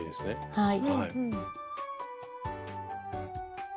はい。